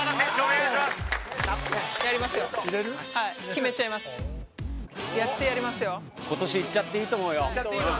いっちゃっていいと思う。